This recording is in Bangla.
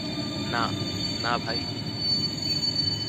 না, না ভাই।